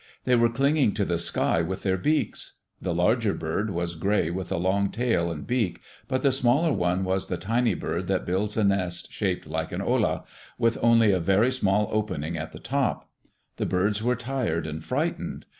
They were clinging to the sky with their beaks. The larger bird was gray with a long tail and beak, but the smaller one was the tiny bird that builds a nest shaped like an olla, with only a very small opening at the top. The birds were tired and frightened.